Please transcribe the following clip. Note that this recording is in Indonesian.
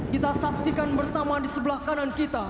kita saksikan bersama di sebelah kanan kita